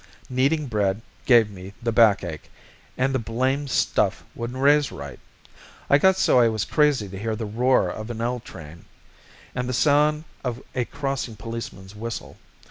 Kneading bread gave me the backache, and the blamed stuff wouldn't raise right. I got so I was crazy to hear the roar of an L train, and the sound of a crossing policeman's whistle.